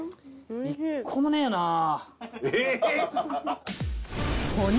一個もねえな。え！？